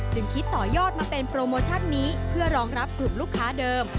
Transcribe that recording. จึงคิดต่อยอดมาเป็นโปรโมชั่นนี้เพื่อรองรับกลุ่มลูกค้าเดิม